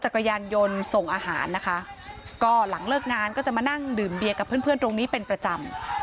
กระยานยนต์ส่งอาหารนะคะก็หลังเลิกงานก็จะมานั่งดื่มเบียร์กับเพื่อนเพื่อนตรงนี้เป็นประจำ